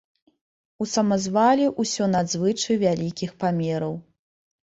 У самазвале ўсё надзвычай вялікіх памераў.